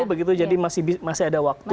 begitu jadi masih ada waktu